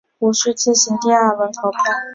无须进行第二轮投票。